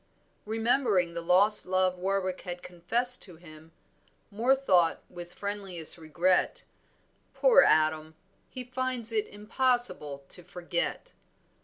Remembering the lost love Warwick had confessed to him, Moor thought with friendliest regret "Poor Adam, he finds it impossible to forget."